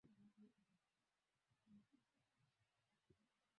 na amri ya kutojihusisha na mapambano yoyote ya kijeshi